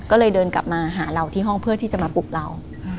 ก็เลยเดินกลับมาหาเราที่ห้องเพื่อที่จะมาปลุกเรา